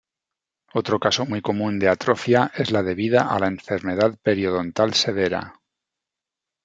Otro caso muy común de atrofia es la debida a la enfermedad periodontal severa.